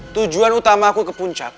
tujuan utama aku ke puncak